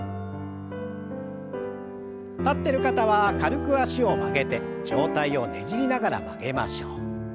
立ってる方は軽く脚を曲げて上体をねじりながら曲げましょう。